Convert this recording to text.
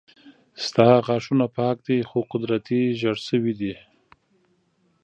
ستا غاښونه پاک دي خو قدرتي زيړ شوي دي